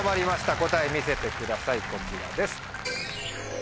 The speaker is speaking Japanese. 答え見せてくださいこちらです。